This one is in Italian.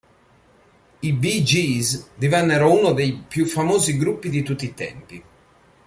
I Bee Gees divennero uno dei più famosi gruppi di tutti i tempi.